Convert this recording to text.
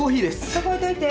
そこ置いといて。